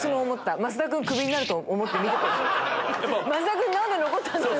増田君何で残った。